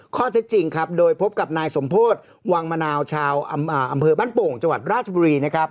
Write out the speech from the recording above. ข้อเท็จจริงครับโดยพบกับนายสมโพธิวังมะนาวชาวอำเภอบ้านโป่งจังหวัดราชบุรีนะครับ